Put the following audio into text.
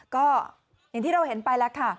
ก็อย่างที่เราเห็นไปแล้วค่ะ